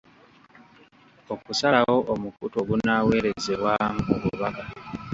Okusalawo omukutu ogunaaweerezebwamu obubaka.